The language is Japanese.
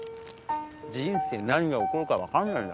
人生何が起こるか分かんないだろ。